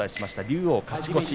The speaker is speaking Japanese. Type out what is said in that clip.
龍王は勝ち越し。